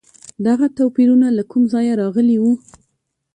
دغه توپیرونه له کوم ځایه راغلي وو؟